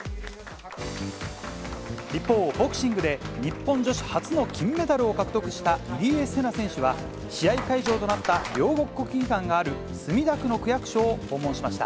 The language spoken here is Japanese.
一方、ボクシングで日本女子初の金メダルを獲得した入江聖奈選手は、試合会場となった両国国技館がある墨田区の区役所を訪問しました。